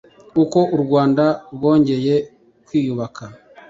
Uko u Rwanda rwongeye kwiyubaka